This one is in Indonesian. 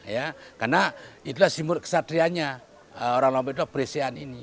ya karena itulah simbol kesatrianya orang lombok itu presian ini